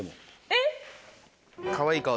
えっ？